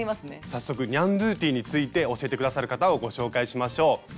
早速ニャンドゥティについて教えて下さる方をご紹介しましょう。